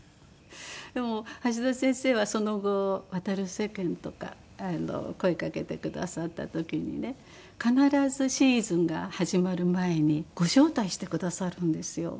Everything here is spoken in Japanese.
でも橋田先生はその後『渡る世間』とか声かけてくださった時にね必ずシーズンが始まる前にご招待してくださるんですよ。